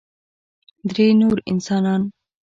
درې نور انسانان